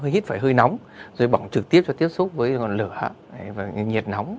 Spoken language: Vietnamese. hít phải hơi nóng rồi bỏng trực tiếp cho tiếp xúc với ngọn lửa và nhiệt nóng